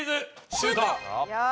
シュート！